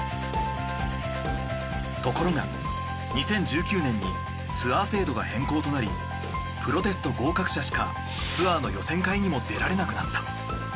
ところが２０１９年にツアー制度が変更となりプロテスト合格者しかツアーの予選会にも出られなくなった。